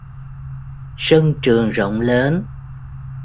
Sân trường rộng lớn